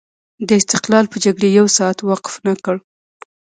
د استقلال په جګړې یو ساعت وقف نه کړ.